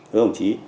với hồng chí